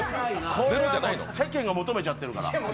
これは世間が求めちゃってるから。